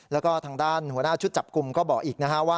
แล้วก็ทางด้านหัวหน้าชุดจับกลุ่มก็บอกอีกนะฮะว่า